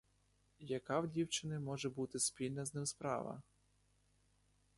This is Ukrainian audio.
Яка в дівчини може бути спільна з ним справа?